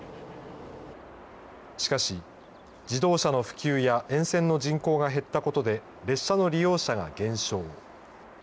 しかし、自動車の普及や沿線の人口が減ったことで、列車の利用者が減少。